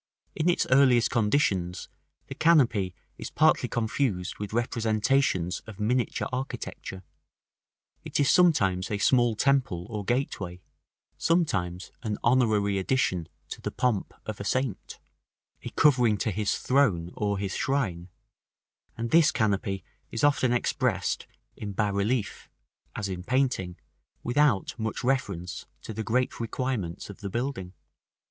In its earliest conditions the canopy is partly confused with representations of miniature architecture: it is sometimes a small temple or gateway, sometimes a honorary addition to the pomp of a saint, a covering to his throne, or to his shrine; and this canopy is often expressed in bas relief (as in painting), without much reference to the great requirements of the building.